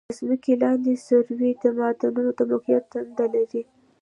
د ځمکې لاندې سروې د معادنو د موقعیت دنده لري